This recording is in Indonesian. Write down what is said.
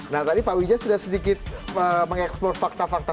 nah tadi pak widja sudah sedikit mengexplore fakta fakta